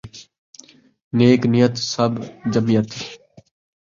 نیک نیت سب جمعیت